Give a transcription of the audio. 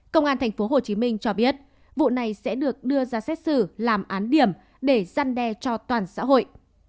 công an tp hcm cho biết vụ này sẽ được đưa ra xét xử làm án điểm để gian đe cho toàn xã hội